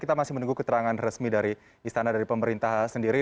kita masih menunggu keterangan resmi dari istana dari pemerintah sendiri